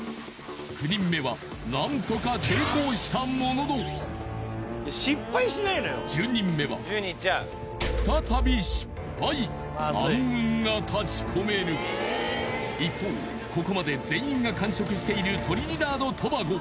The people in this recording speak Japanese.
９人目は何とか成功したものの１０人目は再び失敗暗雲が立ちこめる一方ここまで全員が完食しているトリニダード・トバゴ